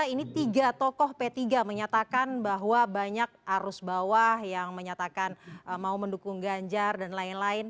ini tiga tokoh p tiga menyatakan bahwa banyak arus bawah yang menyatakan mau mendukung ganjar dan lain lain